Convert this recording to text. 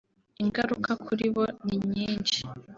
Ingaruka kuri bo ni nyinshi